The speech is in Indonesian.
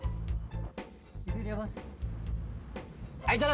aku mau pergi disposable